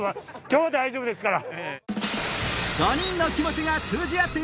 今日大丈夫ですから。